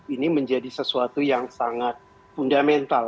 ini menjadi sesuatu yang sangat fundamental